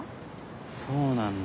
そうなんだ。